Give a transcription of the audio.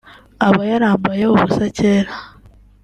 aba yarambaye ubusa cyera